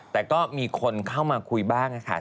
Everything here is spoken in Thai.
แต่ก็มีคนเข้ามาคุยบ้างค่ะ